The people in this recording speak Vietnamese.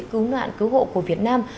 cứu nạn cứu hộ của việt nam